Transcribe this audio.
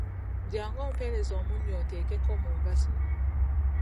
Jjangu ompeereze omunnyo nteekeko mu nva zino.